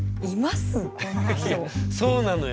そうなのよ。